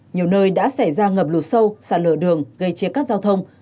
nhiều nơi đã xảy ra ngập lụt sâu xả lở đường gây chiếc các giao thông